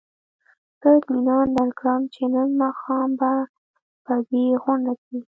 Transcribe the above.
زه اطمینان درکړم چې نن ماښام به په دې غونډه کې.